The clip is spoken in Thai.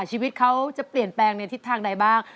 ชีวิตเขาจะเปลี่ยนแปลงในทิศทางใดบ้าง